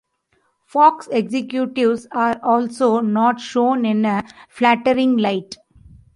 Fox executives are also not shown in a flattering light.